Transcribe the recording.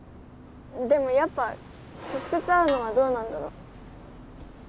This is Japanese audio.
でもやっぱ直接会うのはどうなんだろ。